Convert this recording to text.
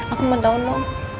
aku mau tau no